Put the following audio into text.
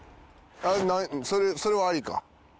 それありか。